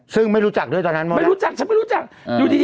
ซึ่งไม่รู้จักด้วยตอนนั้นมาไม่รู้จักฉันไม่รู้จักอยู่ดี